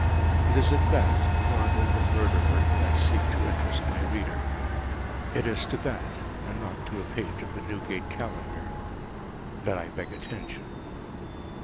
It is in that, and not in the Murderer, that I seek to interest my reader. It is to that, and not to a page of the Newgate Calendar, that I beg attention.